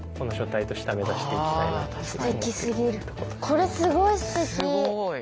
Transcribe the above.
これすごいすてき。